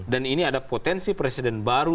dan ini ada potensi presiden baru